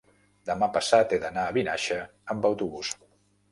demà passat he d'anar a Vinaixa amb autobús.